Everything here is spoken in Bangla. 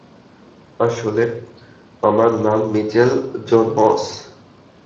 আসলে, আমার নাম মিচেল জোনস।